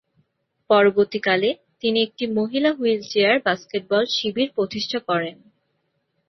পরবর্তীকালে, তিনি একটি মহিলা হুইলচেয়ার বাস্কেটবল শিবির প্রতিষ্ঠা করেন।